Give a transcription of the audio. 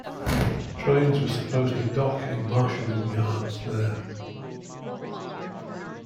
Trains were supposed to dock in marshaling yards there.